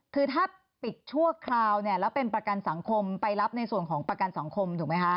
คือถ้าปิดชั่วคราวเนี่ยแล้วเป็นประกันสังคมไปรับในส่วนของประกันสังคมถูกไหมคะ